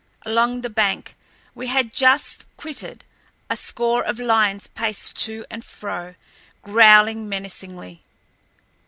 Along the bank we had just quitted, a score of lions paced to and fro, growling menacingly.